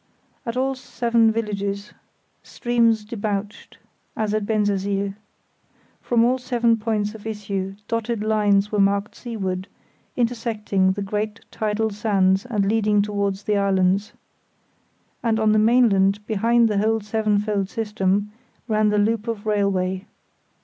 At all seven villages streams debouched, as at Bensersiel. From all seven points of issue dotted lines were marked seaward, intersecting the great tidal sands and leading towards the islands. And on the mainland behind the whole sevenfold system ran the loop of railway.